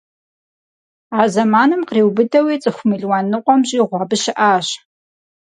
А зэманым къриубыдэуи цӀыху мелуан ныкъуэм щӀигъу абы щыӀащ.